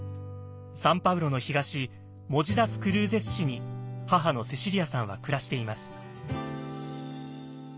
サンパウロの東モジ・ダス・クルーゼス市に母のセシリアさんは暮らしています。